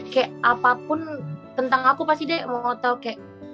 kayak apapun tentang aku pasti deh mau tau kayak